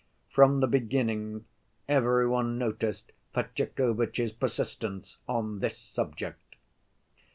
From the beginning every one noticed Fetyukovitch's persistence on this subject.